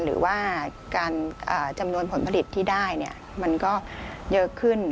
หรือว่าจำนวนผลผลิตที่ได้มันก็เยอะขึ้น